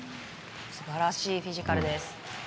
すばらしいフィジカルです。